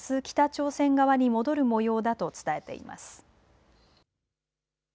北朝鮮側に戻るもようだと伝えています。